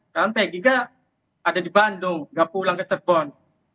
kan peggy gak ada di bandung gak pulang ke cirebon